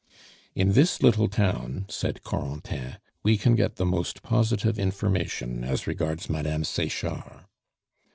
"In this little town," said Corentin, "we can get the most positive information as regards Madame Sechard."